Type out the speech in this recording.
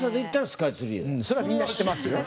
それはみんな知ってますよ。